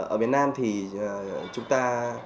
ở việt nam thì chúng ta